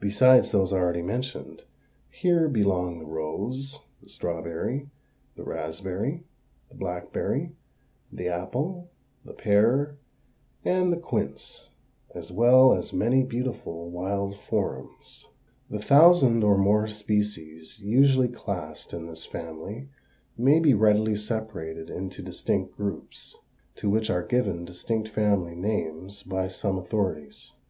Besides those already mentioned, here belong the rose, the strawberry, the raspberry, the blackberry, the apple, the pear, and the quince, as well as many beautiful wild forms. The thousand or more species usually classed in this family may be readily separated into distinct groups, to which are given distinct family names by some authorities.